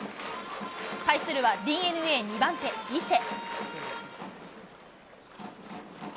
対するはＤｅＮＡ２番手、伊勢。